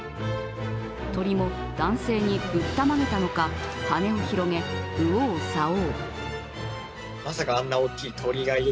鳥も男性にぶったまげたのか、羽を広げ、右往左往。